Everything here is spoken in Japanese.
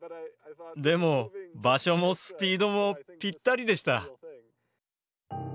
でも場所もスピードもぴったりでした。